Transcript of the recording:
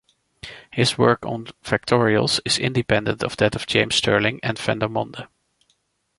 His work on factorials is independent of that of James Stirling and Vandermonde.